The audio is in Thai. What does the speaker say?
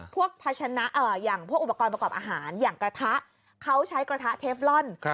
อย่างพวกอุปกรณ์ประกอบอาหารอย่างกระทะเขาใช้กระทะเทฟลอน